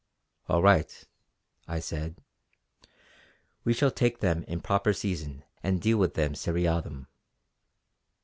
"All right" I said "we shall take them in proper season and deal with them seriatim."